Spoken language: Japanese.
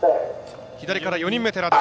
左から４人目、寺田。